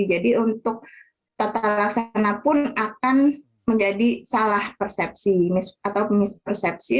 jadi untuk tata laksana pun akan menjadi salah persepsi atau mispersepsi